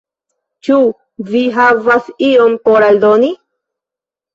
Ĉu vi havas ion por aldoni?